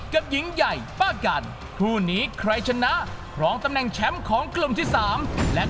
คือแบบปิดตามประกันตั้งแต่รอบที่แล้วอ่ะ